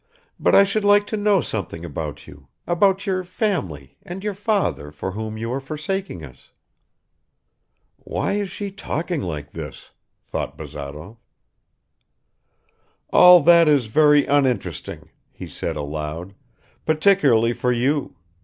. but I should like to know something about you, about your family and your father, for whom you are forsaking us." "Why is she talking like this?" thought Bazarov. "All that is very uninteresting," he said aloud, "particularly for you.